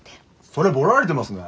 それぼられてますね。